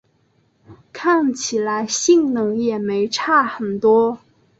看起来性能也没差很多